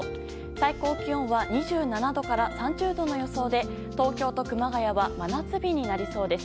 最高気温は２７度から３０度の予想で東京と熊谷は真夏日になりそうです。